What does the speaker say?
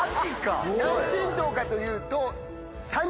何親等かというと。